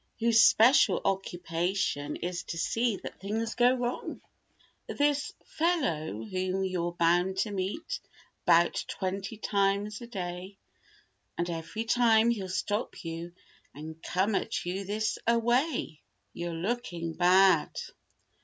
Whose special occupation is to see that things go wrong. This "fellow" whom you're bound to meet 'bout twenty times a day And every time he'll stop you and come at you this a way— "You're looking bad."